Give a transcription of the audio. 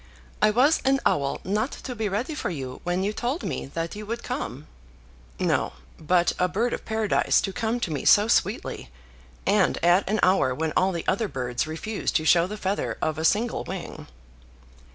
"I was an owl not to be ready for you when you told me that you would come." "No; but a bird of paradise to come to me so sweetly, and at an hour when all the other birds refuse to show the feather of a single wing."